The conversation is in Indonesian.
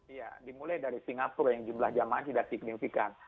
iya dimulai dari singapura yang jumlah jamaah tidak signifikan